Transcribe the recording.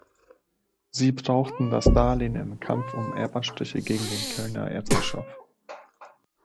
Sie brauchten das Darlehen im Kampf um Erbansprüche gegen den Kölner Erzbischof.